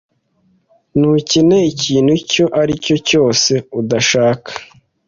Ntukeneye ikintu icyo ari cyo cyose udashaka.